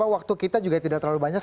waktu kita juga tidak terlalu banyak